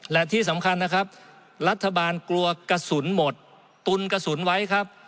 และที่สำคัญนะครับรัฐบาลกลัวกระสุนหมดตุนกระสุนไว้ครับ